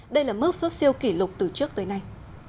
đây là mức xuất siêu kỷ lục từ trước tới nay